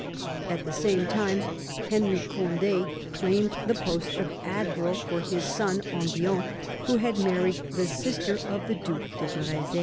^ At the same time Henry Cond^ claimed the post of admiral for his son Enghien, who had married the sister of the Due de Br^z^.